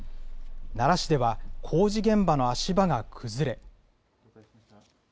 奈良市では工事現場の足場が崩れ。